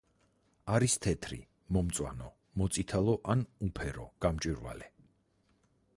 არის თეთრი, მომწვანო, მოწითალო ან უფერო გამჭვირვალე.